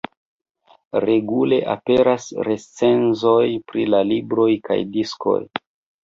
Regule aperas recenzoj pri la libroj kaj diskoj.